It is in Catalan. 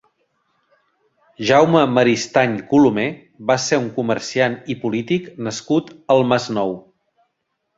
Jaume Maristany Colomer va ser un comerciant i polític nascut al Masnou.